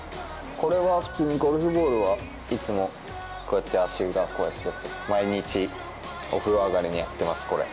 これは普通にゴルフボールをいつもこうやって足裏、こうやって、毎日、お風呂上がりにやってます、これ。